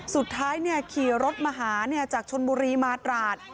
ขี่รถมาหาจากชนบุรีมาตราด